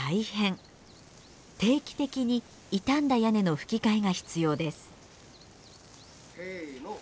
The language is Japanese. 定期的に傷んだ屋根のふき替えが必要です。